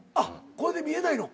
これで見えないの？